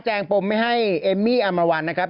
งปมไม่ให้เอมมี่อามวันนะครับ